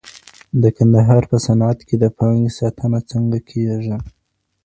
د کندهار په صنعت کي د پانګې ساتنه څنګه کېږي؟